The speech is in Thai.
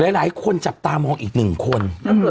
หลายคนจับตามองอีก๑คน